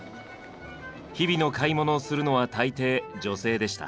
日々の買い物をするのは大抵女性でした。